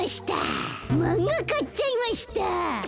マンガかっちゃいました。